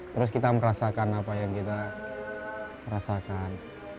terus kita merasakan apa yang kita rasakan